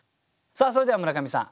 それでは村上さん